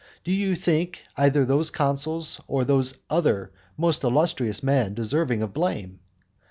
Do you think either those consuls or those other most illustrious men deserving of blame?